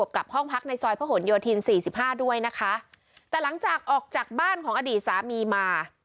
กลับห้องพักในซอยพระหลโยธินสี่สิบห้าด้วยนะคะแต่หลังจากออกจากบ้านของอดีตสามีมา